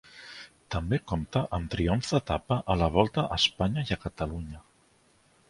També compte amb triomfs d'etapa a la Volta a Espanya i Catalunya.